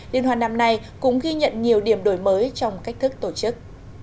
liên hoan năm nay cũng ghi nhận nhiều điểm đổi mới trong cách thức tổ chức